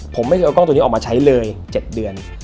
ผมไม่เคยเอากล้องตัวนี้ออกมาใช้เลย๗เดือน